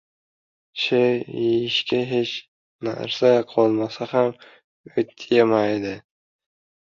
• Sher yeyishga hech narsa qolmasa ham o‘t yemaydi.